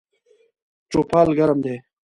چوپال ګرم ده